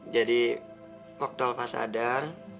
jadi waktu alva sadar